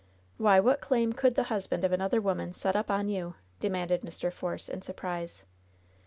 "Why, what claim could the husband of another woman set up on you?" demanded Mr. Force, in sur prise.